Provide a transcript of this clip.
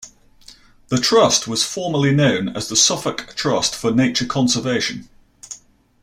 The trust was formerly known as the Suffolk Trust for Nature Conservation.